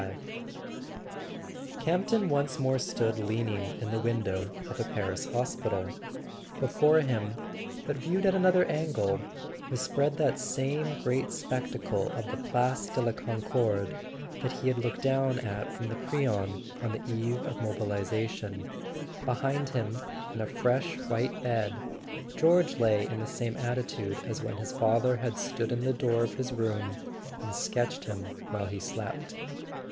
XXXV C AMPTON once more stood leaning in the win¬ dow of a Paris hospital. Before him, but viewed at another angle, was spread that same great spectacle of the Place de la Concorde that he had looked down at from the Crillon on the eve of mobilisation; behind him, in a fresh white bed, George lay in the same attitude as when his father had stood in the door of his room and sketched him while he slept.